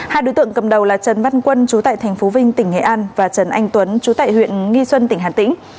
hai đối tượng cầm đầu là trần văn quân chú tại tp vinh tỉnh nghệ an và trần anh tuấn chú tại huyện nghi xuân tỉnh hà tĩnh